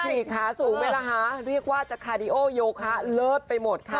ฉีกขาสูงไหมล่ะคะเรียกว่าจะคาดิโอโยคะเลิศไปหมดค่ะ